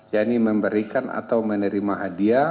yang ini memberikan atau menerima hadiah